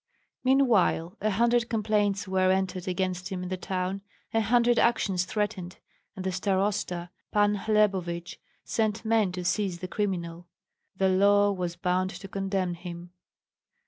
Meanwhile a hundred complaints were entered against him in the town, a hundred actions threatened, and the starosta, Pan Hlebovich, sent men to seize the criminal. The law was bound to condemn him.